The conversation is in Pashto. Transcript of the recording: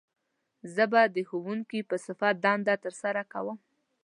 زه به د ښوونکي په صفت دنده تر سره کووم